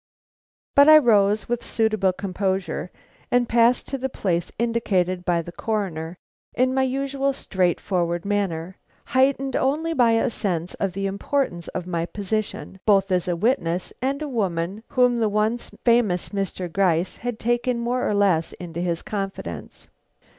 But I rose with suitable composure, and passed to the place indicated by the Coroner, in my usual straightforward manner, heightened only by a sense of the importance of my position, both as a witness and a woman whom the once famous Mr. Gryce had taken more or less into his confidence.